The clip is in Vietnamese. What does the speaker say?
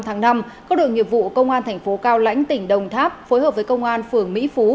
năm tháng năm các đội nghiệp vụ công an tp cao lãnh tỉnh đồng tháp phối hợp với công an phường mỹ phú